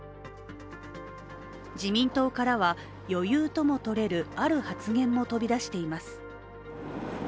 自民党からは、余裕ともとれるある発言も飛び出しています。